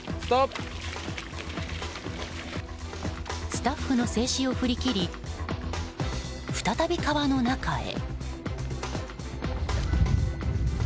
スタッフの制止を振り切り再び川の中へ。